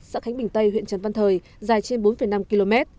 xã khánh bình tây huyện trần văn thời dài trên bốn năm km